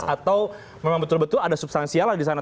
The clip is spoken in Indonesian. atau memang betul betul ada substansial lah di sana